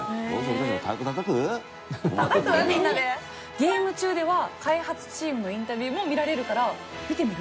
ゲーム中では開発チームのインタビューも見られるから見てみる？